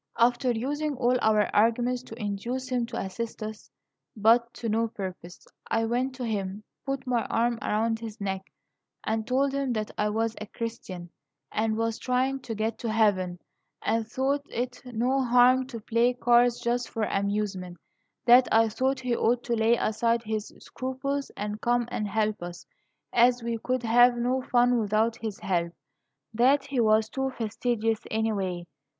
"After using all our arguments to induce him to assist us, but to no purpose, I went to him, put my arm around his neck, and told him that I was a Christian, and was trying to get to heaven, and thought it no harm to play cards just for amusement; that I thought he ought to lay aside his scruples, and come and help us, as we could have no fun without his nelp; that he was too fastidious, anyway.